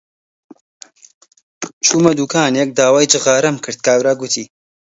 چوومە دووکانێک داوای جغارەم کرد، کابرا گوتی: